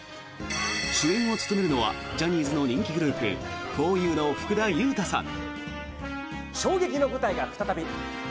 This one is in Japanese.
主演を務めるのはジャニーズの人気グループふぉゆの福田悠太さん。